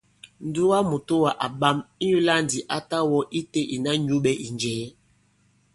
Ǹdugamùtowà à ɓam ; ìnyula ndi a ta wɔ ite ìna nyũɓɛ ì njɛ̀ɛ.